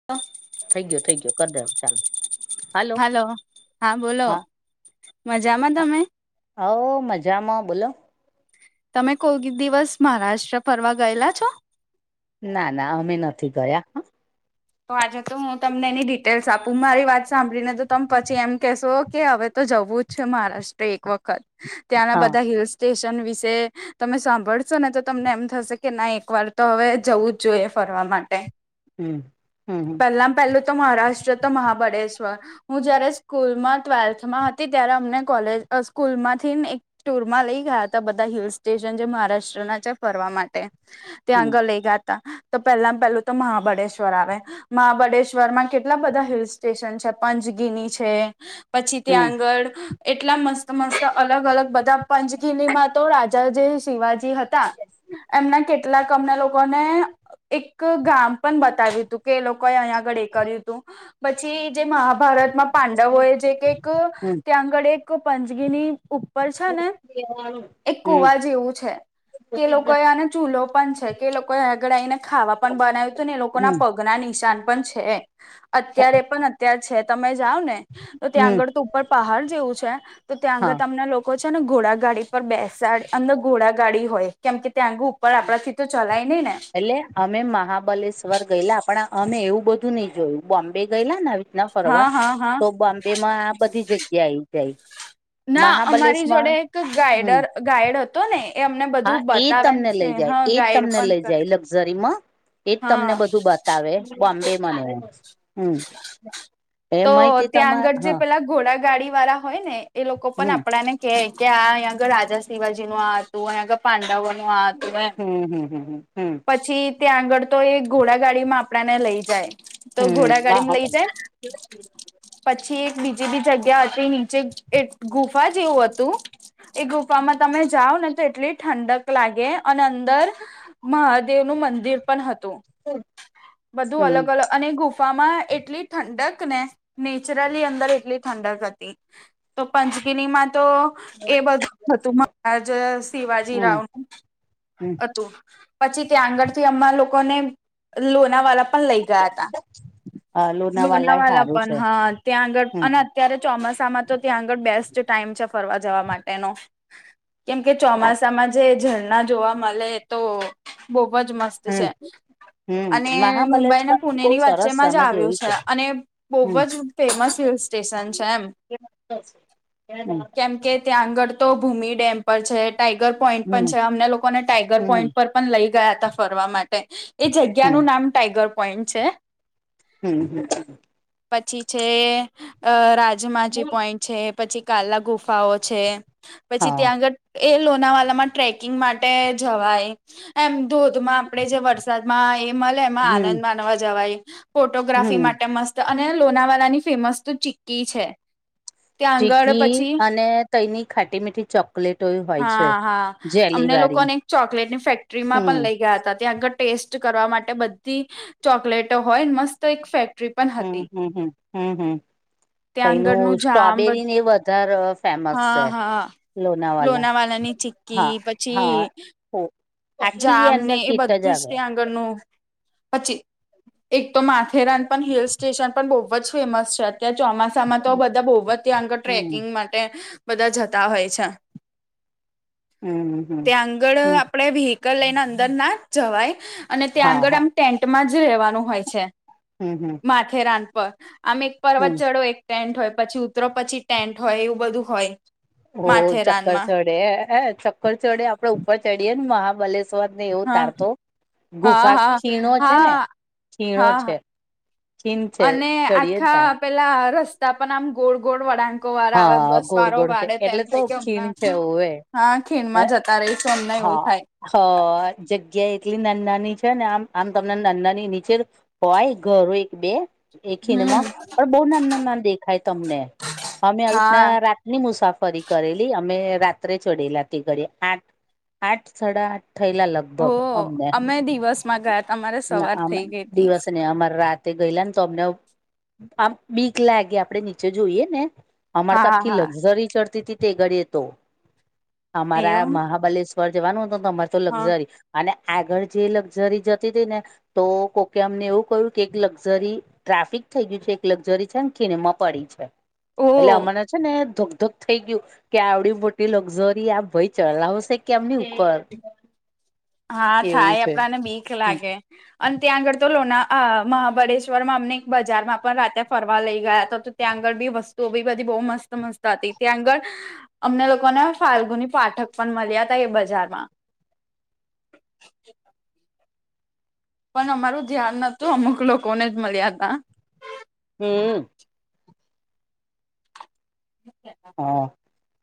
[inaudible] થઈ ગયો થઈ ગયો કરી દેવો ચાલુ હલો હા. મજામાં તમે. હોવ મજામાં બોલો. તમે કોઈક દિવસ મહારાષ્ટ્ર ફરવા ગયેલા છો. ના ના અમે નથી ગયા. તો આજે તો હું તમને એની ડિટેલ્સ આપું મારી વાત સાંભળીને તો તમે પછી એમ કેશો કે હવે તો જવું જ છે મહારાષ્ટ્ર એક વખત. ત્યાંના હા બધા હિલ સ્ટેશન વિશે તમે સાંભળશો ને તો તમને એમ થશે કે ના એક વાર તો હવે જવું જ જોઈએ ફરવા માટે. હમ્મ હમ્મ. પહેલા પહેલું તો મહારાષ્ટ્ર તો મહાબળેશ્વર હું જયારે સ્કૂલમાં ટુવેલ્થમાં હતી ત્યારે અમને કોલેજ સ્કૂલમાંથી ને એક ટુર માં લઈ ગયા હતા બધા હિલ સ્ટેશન જે મહારાષ્ટ્રના છે ફરવા માટે. ત્યાં હમ આગળ લઈ ગયા હતા તો પહેલામાં પેલું તો મહાબળેશ્વર ફરાવે મહાબળેશ્વર માં કેટલા બધા હિલ સ્ટેશન છે પંચગીની છે. પછી હમ ત્યાં આંગળ એટલા મસ્ત મસ્ત અલગ અલગ બધા પંચગિલીમાં તો રાજા જે શિવાજી હતા એમના કેટલાક અમને લોકો ને ગામ પણ બત કર્યું તું કે એ લોકોએ અહીંયાગળ એ હતું જે મહા ભારતમાં પાંડવો એ જે કે એક હમ ત્યાં આગળ એક પંચગીની ઉપ પર છે ને એક હમ કુવા જેવું છે. કે લોકોએ આને ચૂલો પણ છે કે લોકો આગડ આઈને ખાવા પણ બનાવ્યું તું ને એ લોક હમ અગના નિશાન પણ છે અત્યારે પણ અત્યારે છે તમે જાવ ને તો ત્યાં હમ આગળ તો ઉપર પહાડ જેવું છે તો ત્યાં આગળ હા તમના લોકો છે ને ઘોડા ગાડી પર બેસાડ અંદર ઘોળ ગાડી હોય કેમ કે ત્યાં આંગે ઉપર આપડા થી તો ચલાય નહી ને એટલે અમે મહાબલેશ્વર ગયેલા પણ અમે એવું બધું નઈ જોયું બોમ્બે ગયેલા ને અભી ના ફરવા હા હા હા તો બોમ્બે માં આ બધી જગ્યા આઈ જાય. ના અમારી મહાબલેશ્વર જોડે એક હમ ગાઈડર ગાઈડ હ તો ને એ અમને હા બધું એ બતાવે છે હા ગાઈડ પણ કર ઝરીમા એજ તમને બધું બતાવે બોમ્બે માને. હમ્મ એ તો માહિતી ત્યાં તમાર આગળ જે હા પેલા ઘોડા ગાડી વાળા હોય ને એ લોકો પણ હમ આપડા ને કે કે આંયા આગળ રાજા શીવાજી નું આ હતું પાંડવો નું આ હતું હમ હમ હમ હમ પછી ત્યાં આગળ તો એ ઘોડા ગાડીમાં આપડા ને લઈ જાય તો હમ વાહ ઘોડાગાડીમાં લઈ હમ જાય. [unintelligible] પછી એક બીજી બી જગ્યા હતી નીચે એક ગુફા જેવું હતું એ ગુફામાં તમે જાઓ ને તો એટલી ઠંડક લાગે અને અંદર મહાદેવનું મંદિર પણ હતું બધું હમ અલગ અલગ અને ગુફા માં એટલી ઠંડક ને નેચરલી અંદર એટલી ઠંડક હતી. તો પંચગિનીમાં તો એ બધું હતું મહારાજ શિવાજી રાવ હમ હતું પછી ત્યાં આગળ થી હમાં લોકોને લોનાવાલા પણ લઈ ગયા હતા હા એ લોનાવાલા સારું પણ છે હા ત્યાં આગળ હમ અને ત્યારે ચોમાસામાં તો ત્યાં આગળ બેસ્ટ ટાઈમ છે ફરવા જવા માટેનો. કેમ કે ચોમાસામાં જે ઝરણા જોવા મલે એ તો બોહ અજ મસ્ત હમ છે. હમ અને મુંબઈ ને મહાબલેશ્વર બી પુણે બહુ ની સરસ છે વચ્ચેમાં જ અમે આવ્યું જોયું છે અને બહુ હમ જ ફેમસ હિલ સ્ટેશન છે એમ. કેમ કે [inaudible] ત્યાં આગળ તો ભૂમિ ડેમ પર છે ટાઈગર પોઈન્ટ પણ હમ છે. અમને લોકો ને ટાઈગર હમ પોઈન્ટ પર તે પણ લઈ ગયા ત ફરવા માટે એ જગ્યાનું નામ ટાઈગર પોઈન્ટ છે. હમ્મ, હમ્મ, હમ્મ. પછી છે અહ રાજમાજી પોઈન્ટ છે પછી કાલા ગુફાઓ છે પછી હા ત્યાં આગળ એ લોનાવાલામાં ટ્રેકિંગ માટ ટે જવાય. એમ ધોધમાં આપે જે વરસાદમાં એ મલે એમાં હમ આનંદ માનવા જવાય. ફોટો ગ્રાફી હમ માટે મસ્ત અને લોનાવાલા ની ફેમસત ચીકી છે. ત્યાં આગળ ચીકી પછી અને તેની ખાટી મીઠી ચોકલેટો હોય હા છે. હા જેલી અમને વાળી લોકોને એક ચોકલેટ ની ફેક્ટરીમાં પણ હમ લઈ ગયા હતા ત્યાં આગળ ટેસ્ટ કરવા માટે બધી ચોકલેટો હોય મસ્ત એક ફેક હમ્મ, હમ્મ, હમ્મ, હમ્મ, હમ્મ. ત્યાં કઈનું આગળનું જામ બધ સ્ટ્રોબેરીને એ વધારે ફેમસ હા છે. હા લોનાવાલા લોનાવાલાની ચીકી હા હા ઓ જામ ને એ બધું જ ત્યાં આગળનું પછી એક તો માથેરાન પણ હિલ સ્ટેશન પણ બહુ જ ફેમસ છે. ત્યાં ચોમાસામાં તો બધા બહુ જ ત્યાં આગળ હમ ટ્રેકિંગ માટે બધા જતા હોય છે. હમ હમ ત્યાં આગળ હમ આપણેે વિહિકલ લઈને અંદર ના જવાય. અને ત્યાં હા આગળ હા આમ ટેન્ટમાં જ રહેેવાનું હોય છે. હમ હમ માથેરાન પર આમ એક હમ પર્વત ચડો એક ટેન્ટ હોય, પછી ઉતરો પછી ટેન્ટ હોય, એવું બધું હોય. ઓહ! ચક્કર માથેરાનમાં ચડે, ચક્કર ચડે આપડે ઉપર ચડીએે ને મહાબલેશ્ ને એવો હા તારતો હા ગુફા હા ખીણો છે ને હા ખીણો છે. હા ખીણ છે અને ચડીએ ને તાર આખા પેલા રસ્તા પણ આમ ગોળ ગોળ વળાંક વારા આવે હા બસ ગોળ વારો ગોળ છે વાડે તો એમ એટલે થઇ કે ખીણ હમણાં છે હોવે હા ખીણમાં જતા રહીશું અમને એવું થાય. હહ જગ્યા એટલી નાન નાની છે, ને આમ આમ તમને નાન નાની નીચે હોય ઘરો એક બે એ હમ ખીણમાં પણ બહુ નાના-નાના દેખાય તમને. ને આવી હા રીતના રાતની મુસાફરી કરેલી અમે રાત્રે ચડેલા તે‌ ધડીયે આઠ આઠ સાડા આઠ થયેલા લગ હો ભગ અમને અમે દિવસમાં ગયા તમારે ના સવાર અમે થઈ ગઈ હતી દિવસ નહીં અમારે રાત તે ગયેલા ને તો અમને આમ બીક લાગે આપણેે નીચે જોઈએ ને. અમારે તો હા આખી હા લક્ઝરી ચડતી તી તે ગડીએ તો અમારા એવું મહાબલેશ્વર પર જવાનું તમારે તો હા લક્ઝરી અને આગળ જે લક્ઝરી જતી તી ને. તો કોકે અમને એવું કહ્યું કે, એક લક્ઝરી ટ્રાફિક થઈ ગયું છે. એક લગઝરી છે ને ખીણમાં પડી છે. ઓ એટલે અમાને છે ને ધક-ધક થઈ ગયું. કે આવડી મોટી લક્ઝરી આ ભાઈ ચલાવશે કેમની ઉપર. હા એવું થાય છે આપડાને બીક હમ લાગે. અને ત્યાં આગળ તો લોના આ મહાબલેશ્વરમાં અમને એક બજારમાં પણ રાતે ફરવા લઈ ગયા તો. ત્યાં આગળ બી વસ્તુઓ બી બધી બહુ મસ્ત-મસ્ત હતી. ત્યાં આગળ અમને લોકોને ફાલ્ગુની પાઠક પણ મળ્યા તા એ બજારમાં. [inaudible] પણ અમારું ધ્યાન નતું. અમુક લોકોને જ મળ્યા તા. હમ હા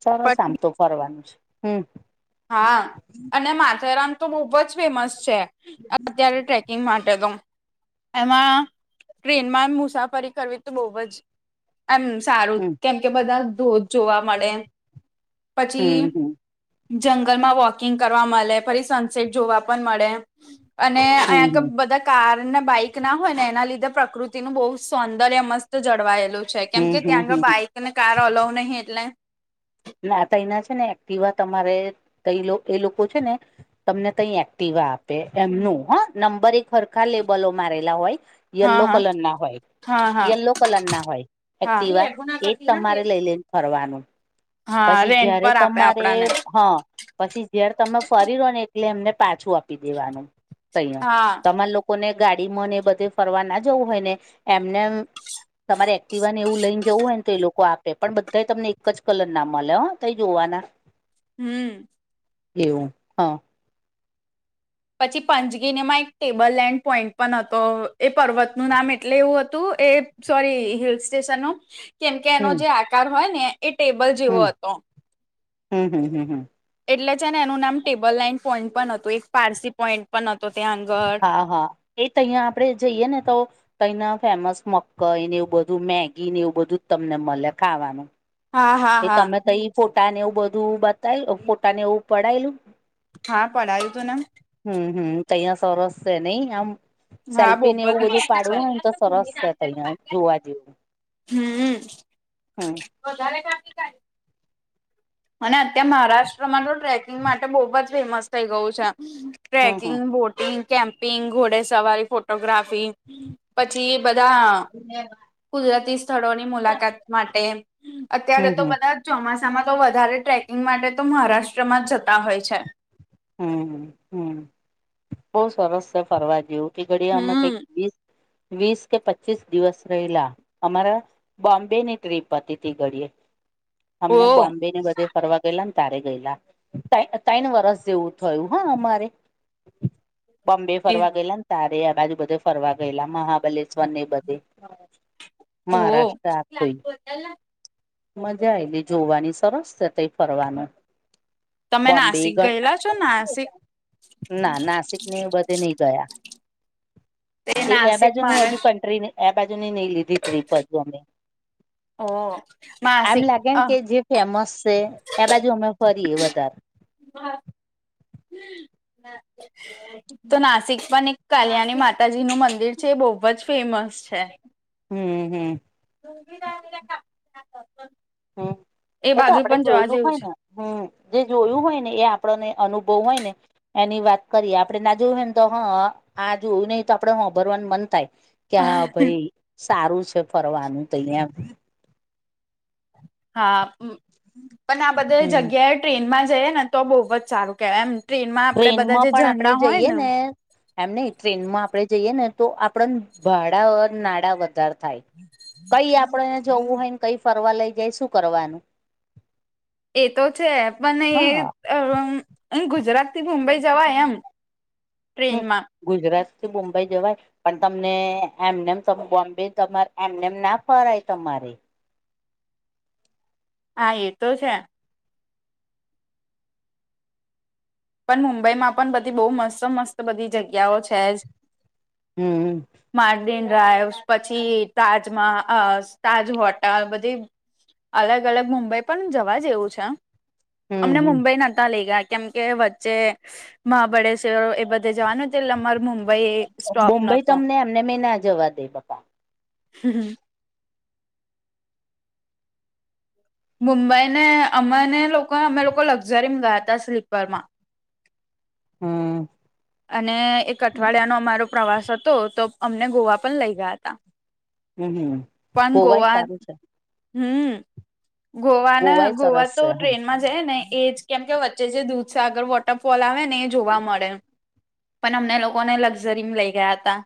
સરસ આમ પછી તો ફરવાનું છે, હમ. હા અને માથેરામ તો બહુ જ ફેમસ છે. અત્યારે ટ્રેકિંગ માટે તો. એમાં ટ્રેનમાં મુસાફરી કરવી તો બહુ જ એમ સારું હમ કેમ કે બધા ધોધ જોવા મળે. પછી હમ હમ હમ જંગલમાં વોકિંગ કરવા મળે, ફરી સનસેટ જોવા પણ મળે. અને અહીં આગળ હમ બધાં કારને બાઈક ના હોય ને એના લીધે પ્રકૃતિનું બહુ સૌંદર્ય મસ્ત જળવાયેલું છે કેમ કે હમ હમ ત્યાં હમ આગળ બાઈકને કાર અલાઉ નહીં એટલે ના તયના છે, ને એક્ટિવા તમારે કઈ એ લોકો છે, ને તમને કઇ એક્ટિવા આપે એમનું હા નંબર એક હરખા લેબલો મારેલા હોય. હા યેલો હા કલરના હોય. હા હા યલો કલર ના હોય એક્ટિવા એજ હા તમારે લઈ લઈ ને ફરવાનું. હા પછી રેન્ટ જયારે પર આપે તમારે આપડાને હા. પછી જ્યારે તમે ફરી લો ને એટલે એમને પાછું આપી દેવાનું તઈઅ હા તમારે લોકો લોકોને ગાડી મને બધે ફરવા ના જવું હોય ને એમને તમારે એક્ટિવા ને એવું લઈને જવું હોય ને તો એ લોકો આપે પણ બધા તમને એક જ કલર ના મળે હો તય જોવાના હમ. એવું હા. પછી પંચગીની એમાં એક ટેબલ લેન્ડ પોઈન્ટ પણ હતો એ પર્વતનું નામ એટલે એવું હતું એ સોરી હિલ સ્ટેશન નુ કેમકે એનો હમ જે આકાર હોય ને એ ટેબલ જેવો હતો. હમ-હમ-હમ-હમ એટલે છે, ને એનું નામ ટેબલ લાઈન પોઈન્ટ પણ હતું એ પારસી પોઈન્ટ પણ હતો ત્યાં આગળ હા-હા એ ત્યાં અહિયાં આપડે જઈએ ને તો તઈના ફેમસ મકઈને એવું બધું મેગી ને એવું બધું જ તમને મળે ખાવાનું હા હા એ હા તમે તો એ ફોટા ને એવું બધું બતાયુ ફોટા ને એવું પડાયેલું? હા પડાયું તું ને‌. હમ-હમ તઈયા સરસ છે, નહી આમ હા બહુ સેલ્ફી ને એવું જ બધું મસ્ત પાડવું હોયને તો સરસ છે અહિયાં જોવા જેવું હમ. વધારે ખાતી કાઢ અને અત્યાર મહારાષ્ટ્રમાં તો ટ્રેકિંગ માટે બહુજ ફેમસ થઇ ગયું છે. હમ હમ ટ્રેકિંગ, બોટિંગ, કેમ્પિંગ, ઘોડે સવારી ફોટોગ્રાફી પછી બધા [inaudible] કુદરતી સ્થળોની મુલાકાત માટે અત્યારે તો હમ બધા ચોમાસામાં તો વધારે ટ્રેકિંગ માટે તો મહારાષ્ટ્રમાં જતા હોય છે. હમ હમ બહુ સરસ છે ફરવા જેવું કે ઘડિયા એમા કઈક હમ વીસ કે પચીસ દિવસ રહેલા અમારા બોમ્બે ની ટ્ર્રીપ હતી તે ઘડીએ ઓ અમને બોમ્બે ને બધે ફરવા ગયેલા ને તારે ગયેલા તેન તેનણ વરસ જેવું થયું હા અમારે બોમ્બે એ ફરવા ગયેલા તારે આ બાજુ બધે ફરવા ગયેલા મહા બલેસવર એ બધે મહારાષ્ટ્ર આખું એલા મજા આયેલી જોવાની સરસ છે ત્યાં ફરવાનું તમે બોમ્બે નાસિક ગટ ગયેલા છો નાસિક ના નાસિક ને એ બધે નહી ગયા તે એ એ નાસિક બાજુ નું મારે હજુ કન્ટ્રીને આ બાજુ ની નઈ લીધી ટ્રીપ હજુ અમે હો. આમ લાગે ને કે જે ફેમસ છે એ બાજુ અમે ફરીએ વધારે હા [inaudible] તો નાસિક પણ એક કલિયાણી માતાજી નું મંદિર છે એ બહુ જ ફેમસ છે. હમ હમ. હમ એ તો બાજુ આપડે પણ જવા જોયેલું જેવું હોય છે. ને હમ જે જોયું હોય ને એ આપણને અનુભવ હોય ને. એની વાત કરીએ આપડણે ના જોયું એમ તો હા આ જોયું નહી તો આપડે હં ભરવાનું મન થાય કે હા ભાઈ સારું છે ફરવાનું તો અહિ એમ હા પણ આ બધે હમ જગ્યાએ ટ્રેનમાં જઈએ ને તો બહુ જ સારું કેવાય એમ ટ્રેનમાં આપણેે બધા ટ્રેનમાં જે પણ આપડે ઝરણા હોય જઈએ ને એમ નહીં ટ્રેનમાં આપડે જઈએ ને તો આપડન ભાડા વગર નાડા વધાર થાય [inaudible] કઈ આપડને જોવું હોય ને કઈ ફરવા લઈ જાય શું કરવાનું. એ તો છે હા પણ એ હ ગુજરાત થી મુંબઈ જવાય એમ હમ ટ્રેનમાં ગુજરાત થી મુંબઈ જવાય પણ તમને એમનેમ તો બોમ્બે તમાર એમનેમ ના ફરાય તમારે હા એ તો છે. પણ મુંબઈમાં પણ બધી બહુ મસ્ત મસ્ત બધી જગ્યાઓ છે જ હમ માર્ડિન ડ્રાઈવ્સ પછી તાજમાં અ તાજ હોટલ બધી અલગ અલગ મુંબઈ પણ જવા જેવું છે અમને હમ હમ. મુંબઈ નહતા લઇ ગયા કેમ કે તે મહાબળેશ્વર એ બધે જવાન હતું એટલે અમાર મુ બુંમબઈ તમને એમને મેં ના જવા દે બકા હમ મુંબઈ ને અમેને લોકો અમને અમે લોકો લક્ઝરી ગયા હતા સ્લીપર માં હમ અને એક અઠવાડિયાનો અમારો પ્રવાસ હતો તો અમને ગોવા પણ લઈ ગયા હતા હમ હમ. પણ ગોવાય ગોવા સારું ત છે હમ ગોવાના ગોવાય સરસ ગોવા તો છે હ ટ્રેન જ ઈએને એજ કેમ કે વચ્ચે જે દૂધસાગર વોટરફોલ આવે ને એ જોવા મળે પણ અમને લોકોને લક્ઝરી લઇ ગયા હતા